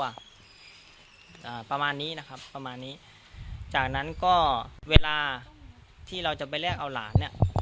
ประมาณนี้นะครับประมาณนี้จากนั้นก็เวลาที่เราจะไปแลกเอาหลานเนี่ย